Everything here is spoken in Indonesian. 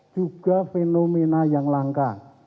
juga fenomena yang langka